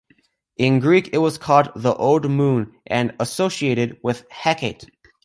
In Greek it was called the Old Moon and associated with Hecate.